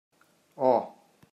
Oh!